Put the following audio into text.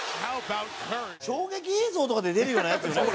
衝撃映像とかで出るようなやつよねこれ。